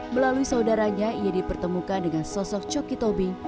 melalui saudaranya ia dipertemukan dengan sosok coki tobing